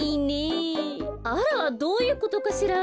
あらどういうことかしら。